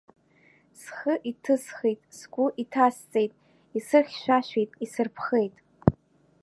Схы иҭысхит, сгәы иҭасҵеит, исырхьшәашәеит, исырԥхеит.